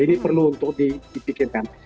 ini perlu untuk dipikirkan